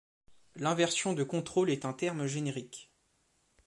L’inversion de contrôle est un terme générique.